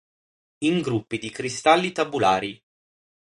In gruppi di cristalli tabulari.